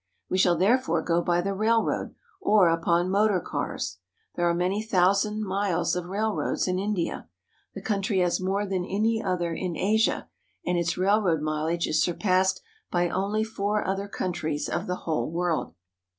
We shall therefore go by the railroad or upon motor cars. There are many thou sand miles of railroads in India. The country has more than any other in Asia, and its railroad mileage is sur passed by only four other countries of the whole world.